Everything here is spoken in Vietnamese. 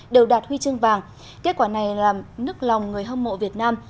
đều đạt huy chương vàng kết quả này là nước lòng người hâm mộ việt nam